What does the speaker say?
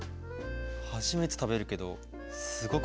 初めて食べるけどすごく香りがいいね。